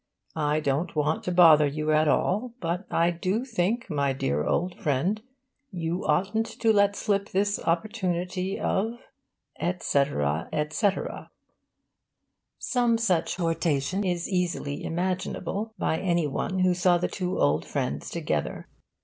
I don't want to bother you at all, but I do think, my dear old friend, you oughtn't to let slip this opportunity of,' etc., etc. Some such hortation is easily imaginable by any one who saw the two old friends together.